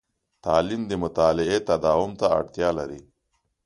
تعلیم د مطالعې تداوم ته اړتیا لري.